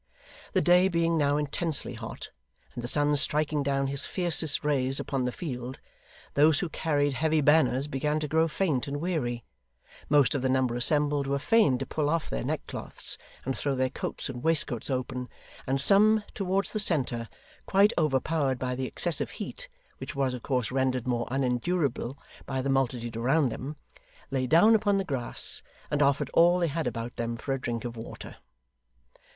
The day being now intensely hot, and the sun striking down his fiercest rays upon the field, those who carried heavy banners began to grow faint and weary; most of the number assembled were fain to pull off their neckcloths, and throw their coats and waistcoats open; and some, towards the centre, quite overpowered by the excessive heat, which was of course rendered more unendurable by the multitude around them, lay down upon the grass, and offered all they had about them for a drink of water.